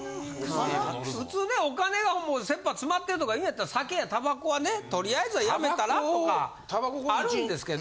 普通ねお金がもう切羽詰まってるとか言うんやったら酒やタバコはねとりあえずはやめたらとかあるんですけど。